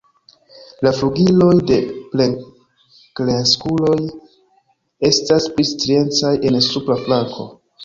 La flugiloj de plenkreskuloj estas pli striecaj en supra flanko.